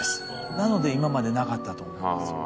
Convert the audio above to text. なので今までなかったと思うんですよ。